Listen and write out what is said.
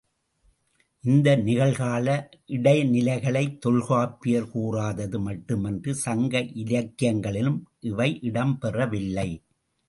இந்த நிகழ்கால இடைநிலைகளைத் தொல்காப்பியர் கூறாதது மட்டுமன்று சங்க இலக்கியங்களிலும் இவை இடம்பெறவில்லை.